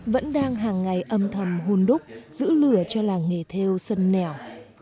vẫn đang hàng ngày âm thầm hôn đúc giữ lửa cho làng nghề theo xuân nẻo